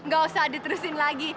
gak usah diterusin lagi